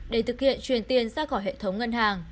để thực hiện truyền tiền ra khỏi hệ thống ngân hàng